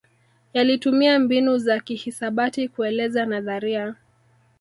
Yalitumia mbinu za kihisabati kueleza nadharia